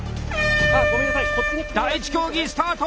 第１競技スタート！